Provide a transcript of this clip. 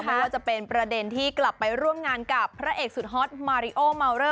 ไม่ว่าจะเป็นประเด็นที่กลับไปร่วมงานกับพระเอกสุดฮอตมาริโอเมาเลอร์